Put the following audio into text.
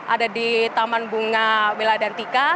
ada di taman bunga wiladantika